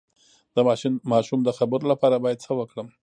د ماشوم د خبرو لپاره باید څه وکړم؟